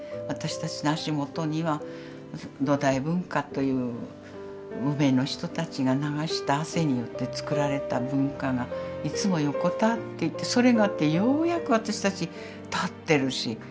私たちの足元には土台文化という無名の人たちが流した汗によって作られた文化がいつも横たわっていてそれがあってようやく私たち立ってるし。